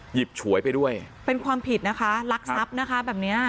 หยิบฉวยไปด้วยเป็นความผิดนะคะลักทรัพย์นะคะแบบเนี้ย